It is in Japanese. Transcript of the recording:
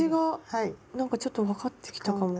なんかちょっと分かってきたかも。